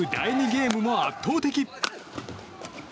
ゲームも圧倒的。